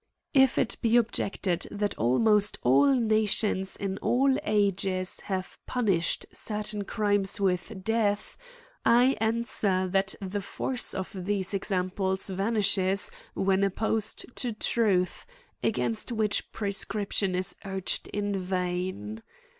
If it be objected, that almost all nations in all ages have punished certain crimes with death, I answer, that the force of these examples vanishes w^hen opposed to truth, against which prescrip tion is urged in vain.